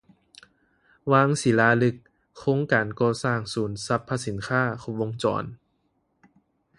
ວາງສີລາລຶກ ໂຄງການກໍ່ສ້າງສູນຊັບພະສິນຄ້າຄົບວົງຈອນ